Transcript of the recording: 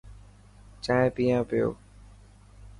چائي پيان پيو.